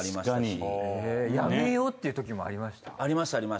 辞めようっていうときもありました？